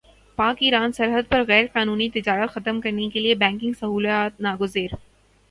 پاک ایران سرحد پر غیرقانونی تجارت ختم کرنے کیلئے بینکنگ سہولیات ناگزیر